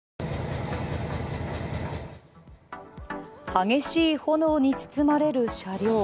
激しい炎に包まれる車両。